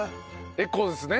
エコですね。